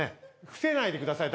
伏せないでください